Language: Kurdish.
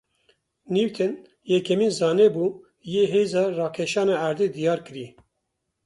Nîwtin yekemîn zane bû, yê hêza rakêşana erdê diyar kirî